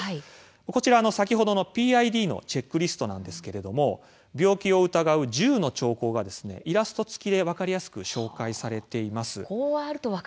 こちらは先ほどのＰＩＤのチェックリストなんですけれども病気を疑う１０の兆候がイラスト付きで分かりやすく紹介されています。